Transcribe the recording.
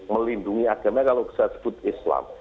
melindungi agamanya kalau bisa disebut islam